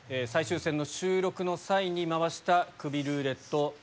最終戦の収録の際に回したクビルーレット